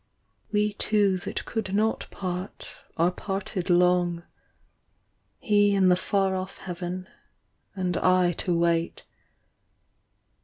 We two that could not part are parted long ; He in the far off Heaven, and I to wait.